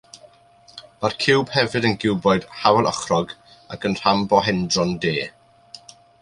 Mae'r ciwb hefyd yn giwboid hafalochrog ac yn rhombohedron de.